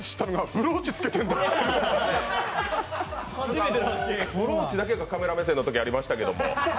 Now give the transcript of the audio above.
ブローチだけがカメラ目線だったときありましたけども。